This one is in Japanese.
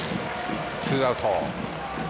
ツーアウト。